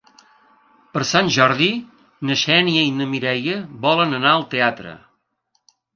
Per Sant Jordi na Xènia i na Mireia volen anar al teatre.